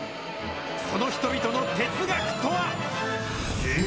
その人々の哲学とは。